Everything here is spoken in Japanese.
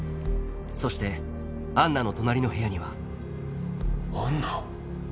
そしてアンナの隣の部屋にはアンナ。